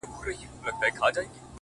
د گناهونو شاهدي به یې ویښتان ورکوي؛